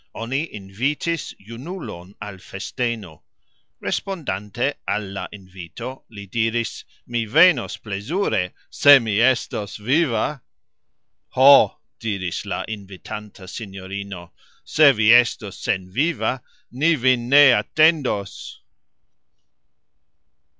Oni invitis junulon al festeno. Respondante al la invito, li diris: "Mi venos plezure, se mi estos viva." "Ho," diris la invitanta sinjorino, "se vi estos senviva, ni vin ne atendos."